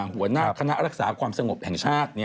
หัวหน้าคณะรักษาความสงบแห่งชาติ